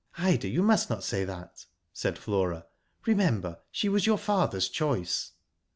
" Ida, you must not say that," said Flora. " Remember, she was your father's choice.